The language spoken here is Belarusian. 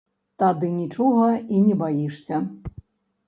Тады нічога і не баішся.